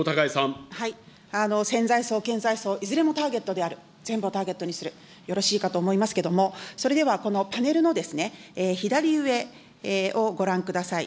潜在層、顕在層、いずれもターゲットである、全部をターゲットにする、よろしいかと思いますけれども、それではこのパネルの左上をご覧ください。